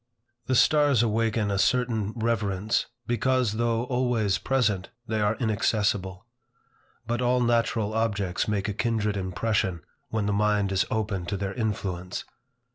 The stars awaken a certain reverence, because though always present, they are inaccessible; but all natural objects make a kindred impression, when the mind is open to their influence.